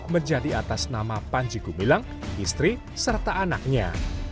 menjadi atas nama panji gumilang istri serta anaknya